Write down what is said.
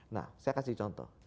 nah saya kasih contoh